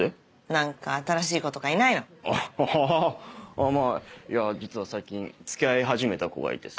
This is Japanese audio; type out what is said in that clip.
あまぁいやぁ実は最近付き合い始めた子がいてさ。